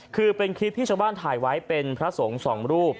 คือเป็นคลิปที่ชาวบ้านถ่ายไว้เป็นพระสงฆ์สองรูป